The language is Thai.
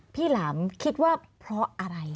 หลามคิดว่าเพราะอะไร